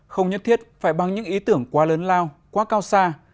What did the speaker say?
không nhất thiết phải bằng những ý tưởng quá lớn lao quá cao xa